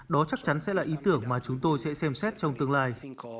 đó chắc chắn sẽ là ý tưởng mà chúng tôi sẽ xem xét trong tương lai